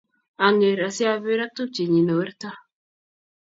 Ang'er si aber ak tupchenyin ne werto